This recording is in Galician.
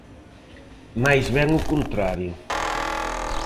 Máis ben o contrario.